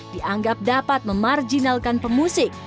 dianggap dapat memarjinalkan pemusik